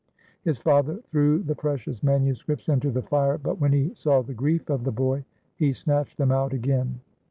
His father threw the precious manuscripts into the fire ; but when he saw the grief of the boy, he snatched them out again.